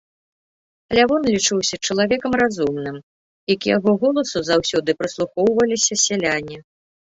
Лявон лічыўся чалавекам разумным, і к яго голасу заўсёды прыслухваліся сяляне.